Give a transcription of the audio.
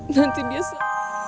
nanti dia selalu